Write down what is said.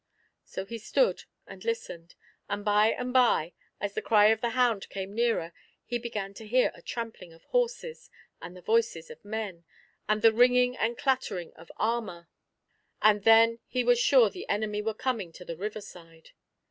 So he stood and listened; and by and by, as the cry of the hound came nearer, he began to hear a trampling of horses, and the voices of men, and the ringing and clattering of armour, and then he was sure the enemy were coming to the river side.